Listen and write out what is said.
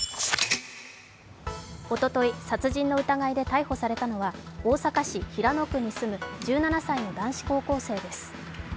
おととい殺人の疑いで逮捕されたのは大阪市平野区に住む１７歳の男子高校生です。